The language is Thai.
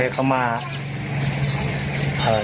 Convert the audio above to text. จัดกระบวนพร้อมกัน